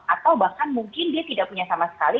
atau bahkan mungkin dia tidak punya sama sekali